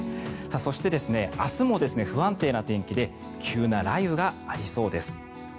そして、明日も不安定な天気で急な雷雨がありそうです。